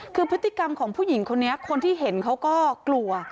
คือพฤติกรรมของผู้หญิงคนนี้คนที่เห็นเขาก็กลัว